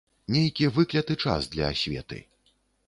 Нейкі выкляты час для асветы.